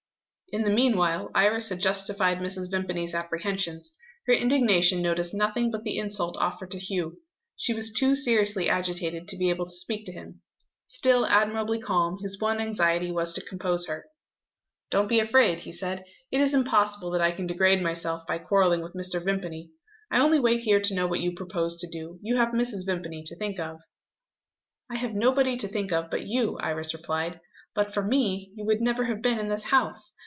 In the meanwhile, Iris had justified Mrs. Vimpany's apprehensions. Her indignation noticed nothing but the insult offered to Hugh. She was too seriously agitated to be able to speak to him. Still admirably calm, his one anxiety was to compose her. "Don't be afraid," he said; "it is impossible that I can degrade myself by quarrelling with Mr. Vimpany. I only wait here to know what you propose to do. You have Mrs. Vimpany to think of." "I have nobody to think of but You," Iris replied. "But for me, you would never have been in this house.